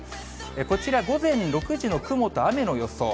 こちら、午前６時の雲と雨の予想。